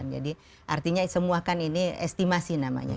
jadi artinya semua kan ini estimasi namanya